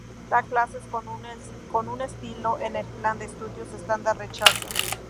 Da clases con un estilo que el plan de estudios estándar rechaza.